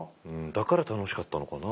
だから楽しかったのかな？